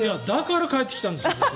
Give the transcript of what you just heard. だから帰ってきたんですよ。